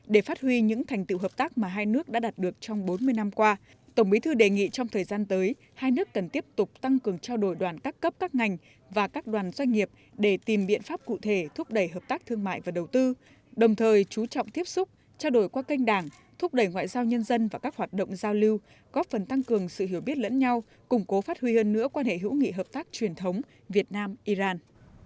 để phát huy những thành tựu hợp tác mà hai nước đã đạt được trong bốn mươi năm qua tổng bí thư đề nghị trong thời gian tới hai nước cần tiếp tục tăng cường trao đổi đoàn các cấp các ngành và các đoàn doanh nghiệp để tìm biện pháp cụ thể thúc đẩy hợp tác thương mại và đầu tư đồng thời chú trọng tiếp xúc trao đổi qua kênh đảng thúc đẩy ngoại giao nhân dân và các hoạt động giao lưu góp phần tăng cường sự hiểu biết lẫn nhau củng cố phát huy hơn nữa quan hệ hữu nghị hợp tác truyền thống việt nam iran